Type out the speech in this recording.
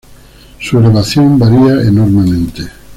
Su elevación varía enormemente.